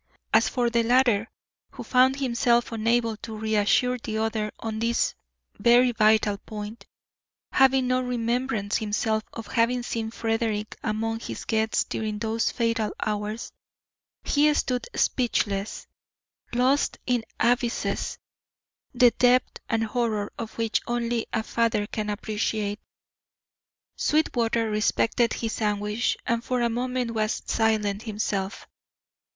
As for the latter, who found himself unable to reassure the other on this very vital point, having no remembrance himself of having seen Frederick among his guests during those fatal hours, he stood speechless, lost in abysses, the depth and horror of which only a father can appreciate. Sweetwater respected his anguish and for a moment was silent himself.